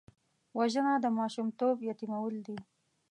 وژنه د ماشومتوب یتیمول دي